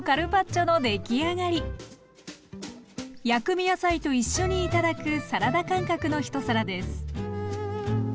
薬味野菜と一緒に頂くサラダ感覚の一皿です。